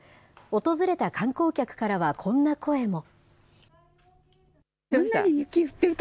訪れた観光客からはこんな声も。